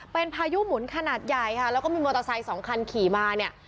เป็นพายุหมุนขนาดใหญ่ค่ะแล้วก็มีมอเตอร์ไซค์สองคันขี่มาเนี่ย